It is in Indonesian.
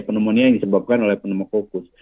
penemuhnya yang disebabkan oleh penemuh kokus